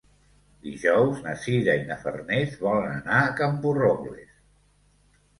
Dijous na Sira i na Farners volen anar a Camporrobles.